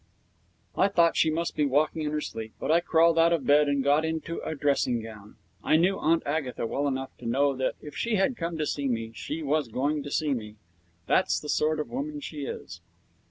I thought she must be walking in her sleep, but I crawled out of bed and got into a dressing gown. I knew Aunt Agatha well enough to know that, if she had come to see me, she was going to see me. That's the sort of woman she is.